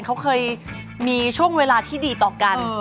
เขาเคยมีช่วงเวลาที่ดีต่อกัน